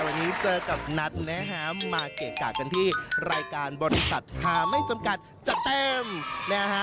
วันนี้เจอกับนัทนะฮะมาเกะกะกันที่รายการบริษัทฮาไม่จำกัดจะเต็มนะฮะ